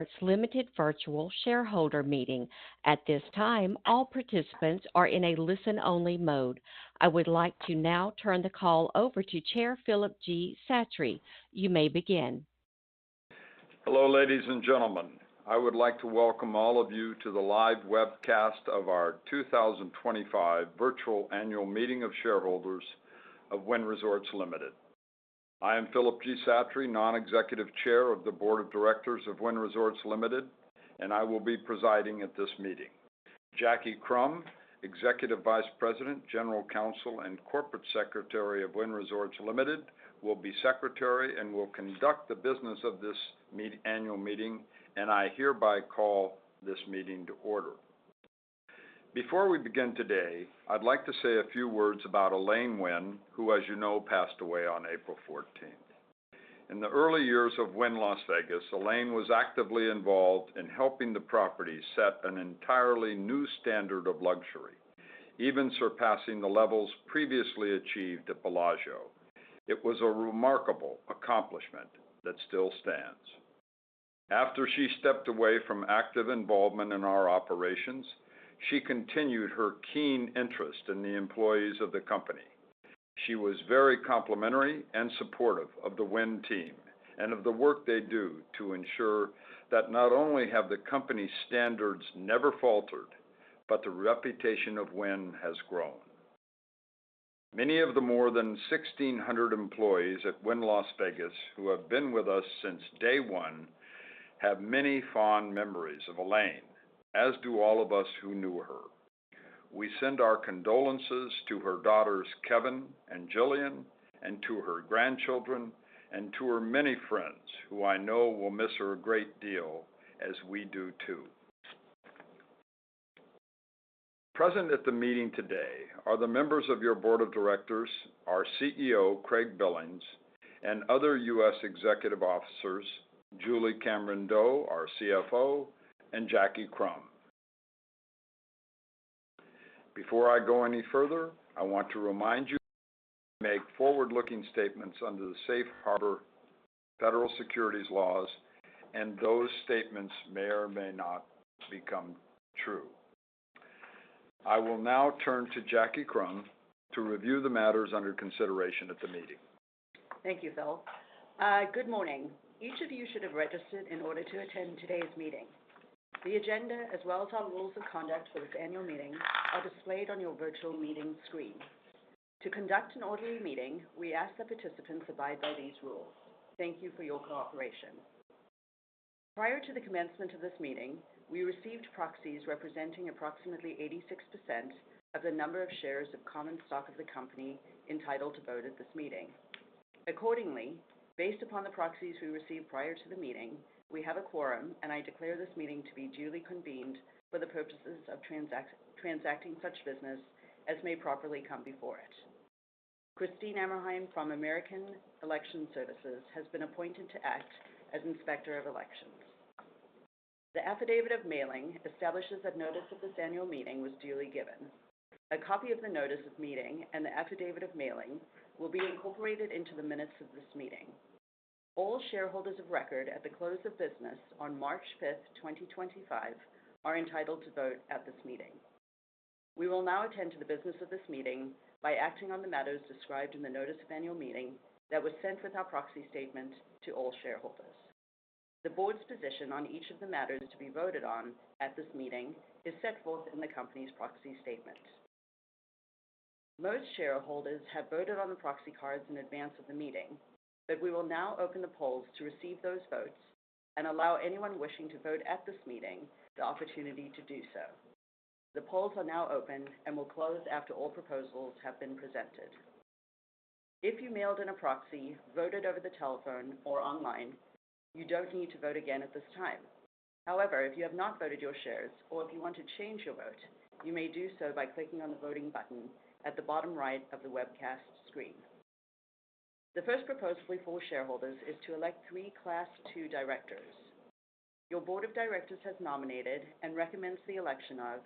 It's a limited virtual shareholder meeting. At this time, all participants are in a listen-only mode. I would like to now turn the call over to Chair Philip G. Satre. You may begin. Hello, ladies and gentlemen. I would like to welcome all of you to the live webcast of our 2025 virtual annual meeting of shareholders of Wynn Resorts Limited. I am Philip G. Satre, non-executive chair of the board of directors of Wynn Resorts Limited, and I will be presiding at this meeting. Jacqui Krum, Executive Vice President, General Counsel, and Corporate Secretary of Wynn Resorts Limited, will be secretary and will conduct the business of this annual meeting, and I hereby call this meeting to order. Before we begin today, I'd like to say a few words about Elaine Wynn, who, as you know, passed away on April 14. In the early years of Wynn Las Vegas, Elaine was actively involved in helping the property set an entirely new standard of luxury, even surpassing the levels previously achieved at Bellagio. It was a remarkable accomplishment that still stands. After she stepped away from active involvement in our operations, she continued her keen interest in the employees of the company. She was very complimentary and supportive of the Wynn team and of the work they do to ensure that not only have the company's standards never faltered, but the reputation of Wynn has grown. Many of the more than 1,600 employees at Wynn Las Vegas who have been with us since day one have many fond memories of Elaine, as do all of us who knew her. We send our condolences to her daughters, Kevyn and Gillian, and to her grand children, and to her many friends who I know will miss her a great deal, as we do too. Present at the meeting today are the members of your board of directors, our CEO, Craig Billings, and other U.S. executive officers, Julie Cameron-Doe, our CFO, and Jacqui Krum. Before I go any further, I want to remind you to make forward-looking statements under the safe harbor federal securities laws, and those statements may or may not become true. I will now turn to Jacqui Krum to review the matters under consideration at the meeting. Thank you, Phil. Good morning. Each of you should have registered in order to attend today's meeting. The agenda, as well as our rules of conduct for this annual meeting, are displayed on your virtual meeting screen. To conduct an orderly meeting, we ask that participants abide by these rules. Thank you for your cooperation. Prior to the commencement of this meeting, we received proxies representing approximately 86% of the number of shares of common stock of the company entitled to vote at this meeting. Accordingly, based upon the proxies we received prior to the meeting, we have a quorum, and I declare this meeting to be duly convened for the purposes of transacting such business as may properly come before it. Christine Amerhein from American Election Services has been appointed to act as inspector of elections. The affidavit of mailing establishes that notice of this annual meeting was duly given. A copy of the notice of meeting and the affidavit of mailing will be incorporated into the minutes of this meeting. All shareholders of record at the close of business on March 5th, 2025, are entitled to vote at this meeting. We will now attend to the business of this meeting by acting on the matters described in the notice of annual meeting that was sent with our proxy statement to all shareholders. The board's position on each of the matters to be voted on at this meeting is set forth in the company's proxy statement. Most shareholders have voted on the proxy cards in advance of the meeting, but we will now open the polls to receive those votes and allow anyone wishing to vote at this meeting the opportunity to do so. The polls are now open and will close after all proposals have been presented. If you mailed in a proxy, voted over the telephone, or online, you don't need to vote again at this time. However, if you have not voted your shares or if you want to change your vote, you may do so by clicking on the voting button at the bottom right of the webcast screen. The first proposal for shareholders is to elect three class two Directors. Your Board of Directors has nominated and recommends the election of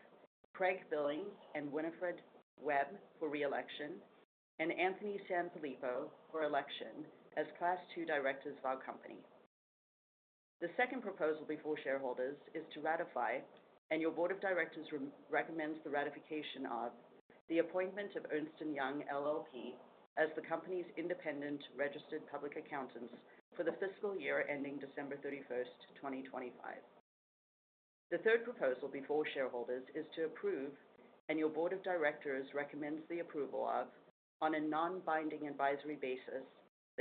Craig Billings and Winifred Webb for re-election and Anthony Sanfilippo for election as class two Directors of our company. The second proposal before shareholders is to ratify, and your Board of Directors recommends the ratification of the appointment of Ernst & Young LLP as the company's independent registered public accountants for the fiscal year ending December 31st, 2025. The third proposal before shareholders is to approve, and your Board of Directors recommends the approval of, on a non-binding advisory basis,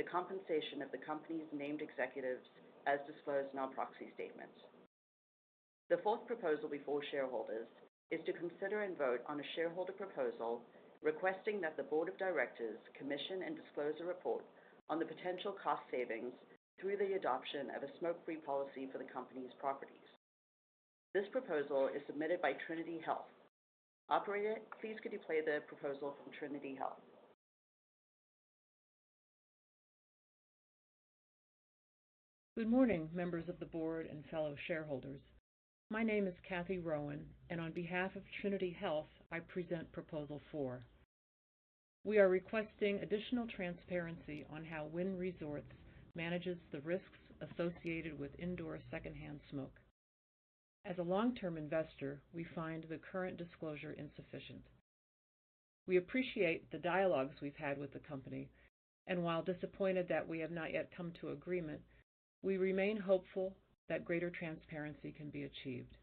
the compensation of the company's named executives as disclosed in our proxy statement. The fourth proposal before shareholders is to consider and vote on a shareholder proposal requesting that the Board of Directors commission and disclose a report on the potential cost savings through the adoption of a smoke-free policy for the company's properties. This proposal is submitted by Trinity Health. Operator, please could you play the proposal from Trinity Health? Good morning, members of the board and fellow shareholders. My name is Cathy Rowan, and on behalf of Trinity Health, I present proposal four. We are requesting additional transparency on how Wynn Resorts manages the risks associated with indoor secondhand smoke. As a long-term investor, we find the current disclosure insufficient. We appreciate the dialogues we've had with the company, and while disappointed that we have not yet come to agreement, we remain hopeful that greater transparency can be achieved.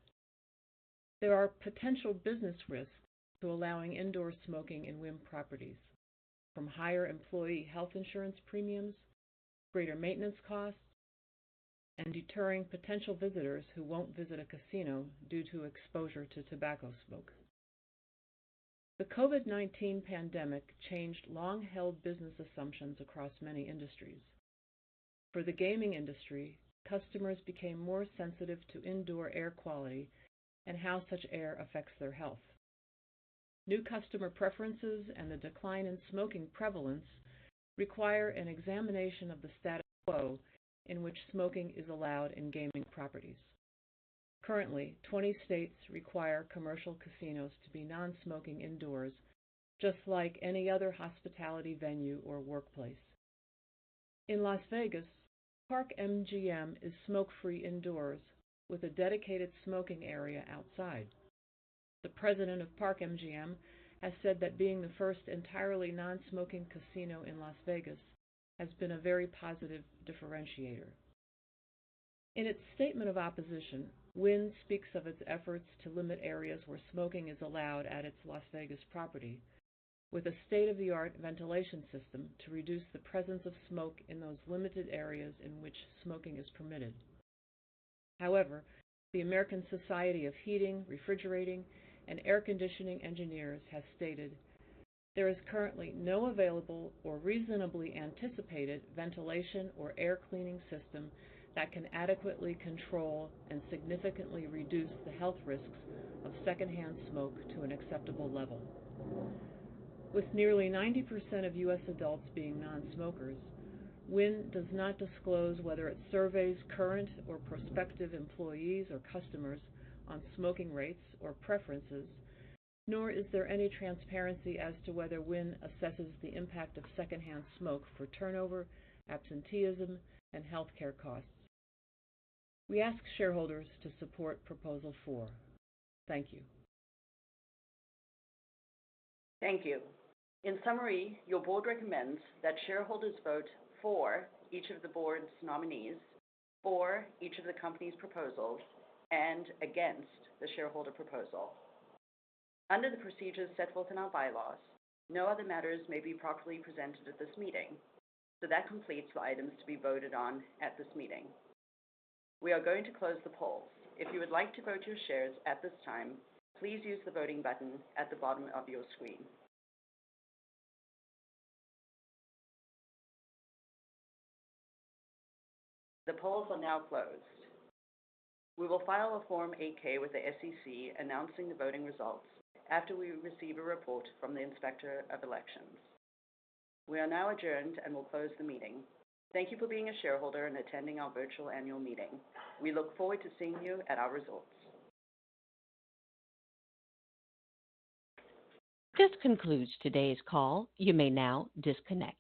There are potential business risks to allowing indoor smoking in Wynn properties, from higher employee health insurance premiums, greater maintenance costs, and deterring potential visitors who won't visit a casino due to exposure to tobacco smoke. The COVID-19 pandemic changed long-held business assumptions across many industries. For the gaming industry, customers became more sensitive to indoor air quality and how such air affects their health. New customer preferences and the decline in smoking prevalence require an examination of the status quo in which smoking is allowed in gaming properties. Currently, 20 states require commercial casinos to be non-smoking indoors, just like any other hospitality venue or workplace. In Las Vegas, Park MGM is smoke-free indoors with a dedicated smoking area outside. The President of Park MGM has said that being the first entirely non-smoking casino in Las Vegas has been a very positive differentiator. In its statement of opposition, Wynn speaks of its efforts to limit areas where smoking is allowed at its Las Vegas property, with a state-of-the-art ventilation system to reduce the presence of smoke in those limited areas in which smoking is permitted. However, the American Society of Heating, Refrigerating, and Air Conditioning Engineers has stated, "There is currently no available or reasonably anticipated ventilation or air cleaning system that can adequately control and significantly reduce the health risks of secondhand smoke to an acceptable level." With nearly 90% of U.S. adults being non-smokers, Wynn does not disclose whether it surveys current or prospective employees or customers on smoking rates or preferences, nor is there any transparency as to whether Wynn assesses the impact of secondhand smoke for turnover, absenteeism, and healthcare costs. We ask shareholders to support proposal four. Thank you. Thank you. In summary, your board recommends that shareholders vote for each of the board's nominees, for each of the company's proposals, and against the shareholder proposal. Under the procedures set forth in our bylaws, no other matters may be properly presented at this meeting. That completes the items to be voted on at this meeting. We are going to close the polls. If you would like to vote your shares at this time, please use the voting button at the bottom of your screen. The polls are now closed. We will file a Form 8-K with the SEC announcing the voting results after we receive a report from the inspector of elections. We are now adjourned and will close the meeting. Thank you for being a shareholder and attending our virtual annual meeting. We look forward to seeing you at our resorts. This concludes today's call. You may now disconnect.